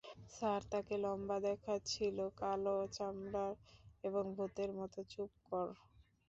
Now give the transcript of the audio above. Sir, তাকে লম্বা দেখাচ্ছিল, কালো চামড়ার এবং ভূতের মতো, চুপ কর।